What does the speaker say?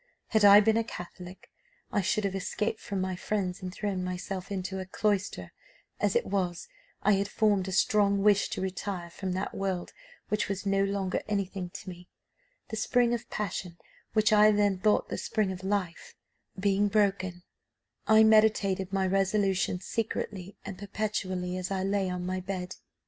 Had I been a Catholic, I should have escaped from my friends and thrown myself into a cloister; as it was, I had formed a strong wish to retire from that world which was no longer anything to me: the spring of passion, which I then thought the spring of life, being broken, I meditated my resolution secretly and perpetually as I lay on my bed.